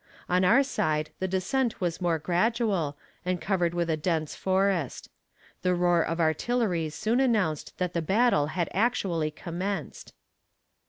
On our side the descent was more gradual, and covered with a dense forest. The roar of artillery soon announced that the battle had actually commenced.